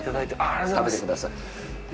食べてください。